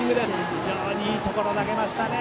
非常にいいところに投げましたね。